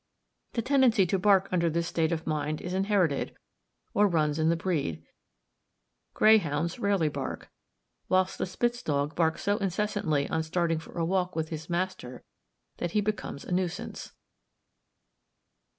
The tendency to bark under this state of mind is inherited, or runs in the breed: greyhounds rarely bark, whilst the Spitz dog barks so incessantly on starting for a walk with his master that he becomes a nuisance.